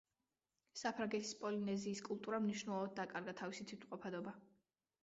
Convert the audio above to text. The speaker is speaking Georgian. საფრანგეთის პოლინეზიის კულტურამ მნიშვნელოვნად დაკარგა თავისი თვითმყოფადობა.